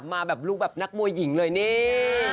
มาแบบลูกแบบนักมวยหญิงเลยนี่